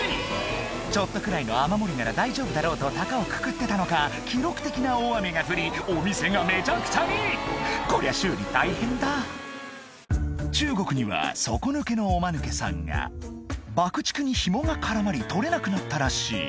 ちょっとくらいの雨漏りなら大丈夫だろうと高をくくってたのか記録的な大雨が降りお店がめちゃくちゃにこりゃ修理大変だ中国には底抜けのおマヌケさんが爆竹にヒモが絡まり取れなくなったらしい